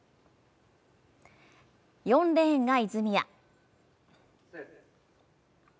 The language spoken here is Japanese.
４レーンが泉谷。